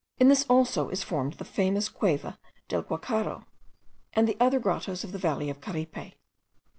In this also is formed the famous Cueva del Guacharo, and the other grottoes of the valley of Caripe.